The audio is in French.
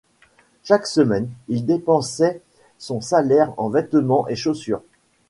Chaque semaine il dépensait son salaire en vêtements et chaussures.